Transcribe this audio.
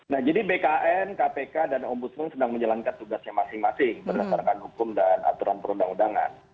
nah jadi bkn kpk dan ombudsman